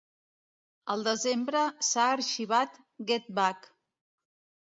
Al desembre s"ha arxivat "Get Back".